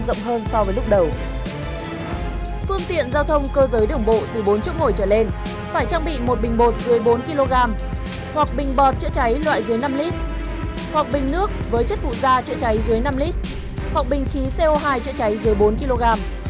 trước mỗi trở lên phải trang bị một bình bột dưới bốn kg hoặc bình bọt chữa cháy loại dưới năm lít hoặc bình nước với chất phụ da chữa cháy dưới năm lít hoặc bình khí co hai chữa cháy dưới bốn kg